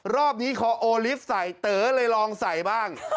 รอบนี้คอโอลิฟต์ใส่เต๋อเลยลองใส่บ้าง